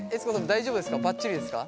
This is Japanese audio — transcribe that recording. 大丈夫ですか？